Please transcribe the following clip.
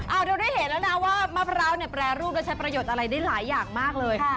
เอาเราได้เห็นแล้วนะว่ามะพร้าวเนี่ยแปรรูปและใช้ประโยชน์อะไรได้หลายอย่างมากเลย